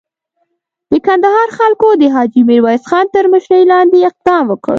د کندهار خلکو د حاجي میرویس خان تر مشري لاندې اقدام وکړ.